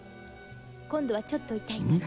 今度はちょっと痛いから。